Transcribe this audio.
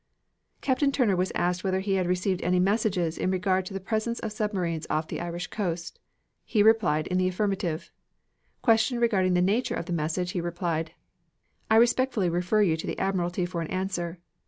Captain Turner was asked whether he had received any message in regard to the presence of submarines off the Irish coast. He replied in the affirmative. Questioned regarding the nature of the message, he replied: "I respectfully refer you to the admiralty for an answer."